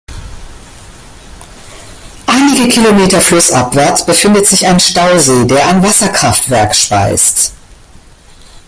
Einige Kilometer flussabwärts befindet sich ein Stausee, der ein Wasserkraftwerk speist.